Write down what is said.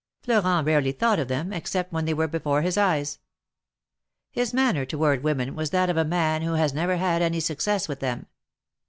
Florent rarely thought of them, except when they were before his eyes. ( His manner toward women was that of a man who has never had any success with them.